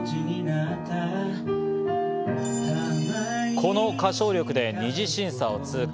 この歌唱力で２次審査を通過。